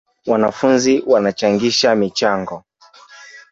Wanafunzi wanachangisha michango